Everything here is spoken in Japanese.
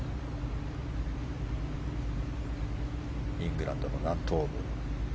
イングランドの南東部